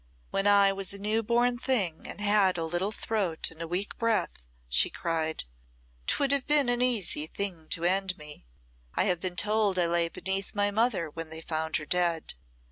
"When I was a new born thing and had a little throat and a weak breath," she cried, "'twould have been an easy thing to end me. I have been told I lay beneath my mother when they found her dead.